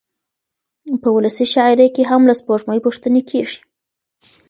په ولسي شاعرۍ کې هم له سپوږمۍ پوښتنې کېږي.